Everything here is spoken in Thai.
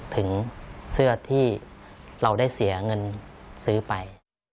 ถึงเสื้อที่เราได้เสียเงินซื้อไป